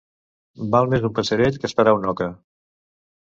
Val més un passerell que esperar una oca.